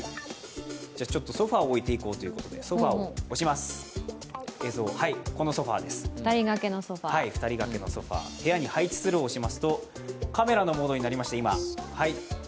ちょっとソファーを置いていこうということで、ソファーを押します２人がけのソファー、部屋に配置するを押しますと、カメラのモードになりました。